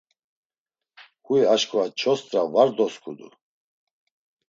Huy aşǩva çost̆ra var dosǩudu.